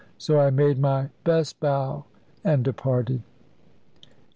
So I made my best bow and departed.